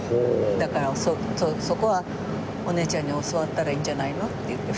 「だからそこはお姉ちゃんに教わったらいいんじゃないの？」って言って。